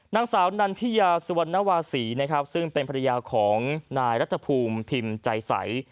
นางสาวนันทิยาสุวรรณวาศีนะครับซึ่งเป็นภรรยาของนายรัฐภูมิพิมพ์ใจใส